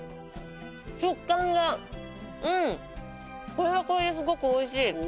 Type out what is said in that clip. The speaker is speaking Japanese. これはこれですごく美味しい。